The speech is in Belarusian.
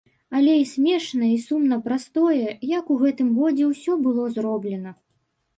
Але і смешна і сумна праз тое, як у гэтым годзе ўсё было зроблена.